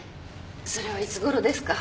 それはいつごろですか？